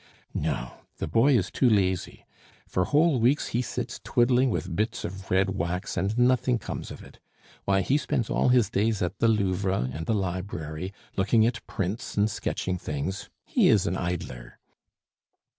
"No, the boy is too lazy; for whole weeks he sits twiddling with bits of red wax, and nothing comes of it. Why, he spends all his days at the Louvre and the Library, looking at prints and sketching things. He is an idler!"